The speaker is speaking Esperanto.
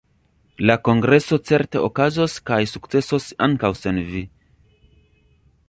La kongreso certe okazos kaj sukcesos ankaŭ sen Vi.